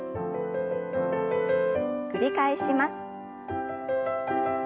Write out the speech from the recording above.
繰り返します。